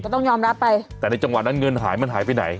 ต้องยอมรับไปแต่ในจังหวะนั้นเงินหายมันหายไปไหน